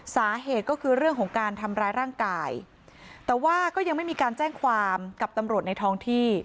สาเหตุก็คือเรื่องของการทำร้ายร่างกายแต่ว่าก็ยังไม่มีการแจ้งความกับตำรวจในท้องที่